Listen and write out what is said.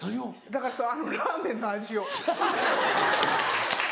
だからあのラーメンの味を。